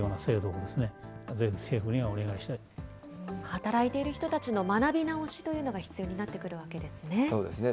働いている人たちの学び直しというのが必要になってくるわけそうですね。